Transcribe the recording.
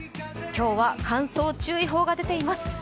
今日は乾燥注意報が出ています。